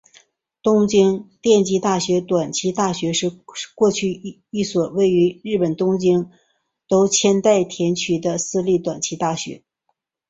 东京电机大学短期大学是过去一所位于日本东京都千代田区的私立短期大学。